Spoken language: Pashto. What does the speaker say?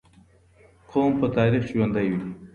قوم په تاريخ ژوندي وي.